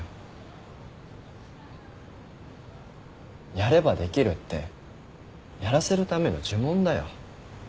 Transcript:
やればできるってやらせるための呪文だよ。